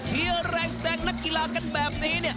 เทียร์เร่งแสงนักกีฬาแบบนี้เนี่ย